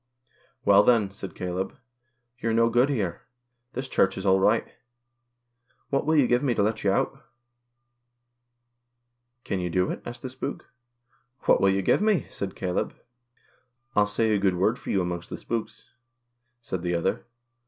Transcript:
"Well, then," said Caleb, "you're no good here. This Church is all right. What will you give me to let you out ?"" Can you do it? " asked the spook. " What will you give me ?" said Caleb. "I'll say a good word for you amongst the spooks," said the other.